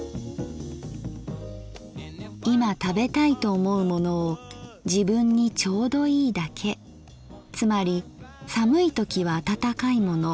「いま食べたいと思うものを自分に丁度いいだけつまり寒いときは温かいもの